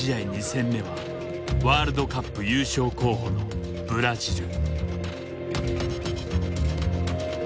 ２戦目はワールドカップ優勝候補のブラジル。